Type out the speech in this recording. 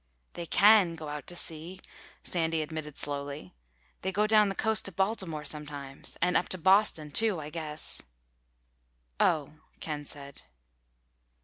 "They can go out to sea," Sandy admitted slowly. "They go down the coast to Baltimore sometimes—and up to Boston too, I guess." "Oh," Ken said.